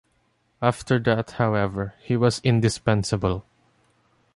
After that, however, he was indispensable.